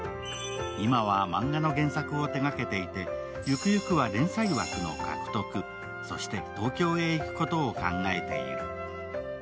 今は漫画の原作を手がけていてゆくゆくは連載枠の獲得そして東京へ行くことを考えている。